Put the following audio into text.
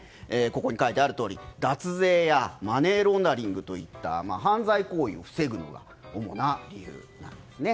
ここに書いてあるとおり脱税やマネーロンダリングといった犯罪行為を防ぐのが主な理由なんですね。